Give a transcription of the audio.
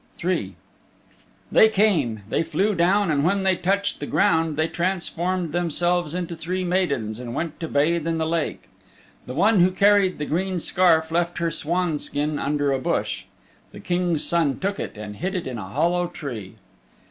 III They came, they flew down, and when they touched the ground they transformed themselves into three maidens and went to bathe in the lake. The one who carried the green scarf left her swanskin under a bush. The King's Son took it and hid it in a hollow tree.